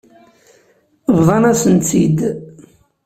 Bḍan-asent-tt-id.